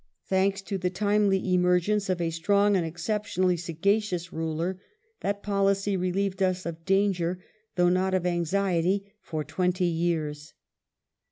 Thanks to the timely emergence of a strong and exceptionally sagacious ruler that policy relieved us of danger, though not of anxiety, for twenty years.